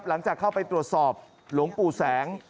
หลังจากเข้าไปตรวจสอบหลวงปู่แสง